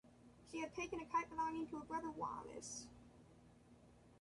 She had taken a kite belonging to her brother Wallace.